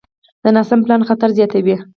د ناسم پلان خطر زیاتوي.